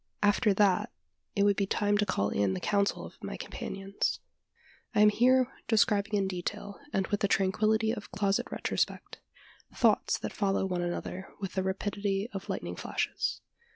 After that, it would be time to call in the counsel of my companions. I am here describing in detail, and with the tranquillity of closet retrospect, thoughts that follow one another with the rapidity of lightning flashes.